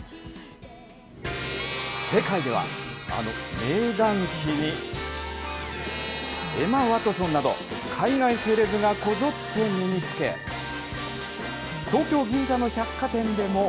世界ではあのメーガン妃に、エマ・ワトソンなど、海外セレブがこぞって身につけ、東京・銀座の百貨店でも。